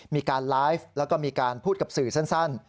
มีการไลฟ์แล้วก็มีการพูดกับสื่อสั้น